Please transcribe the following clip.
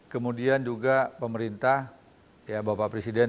kemudian juga pemerintah ya bapak presiden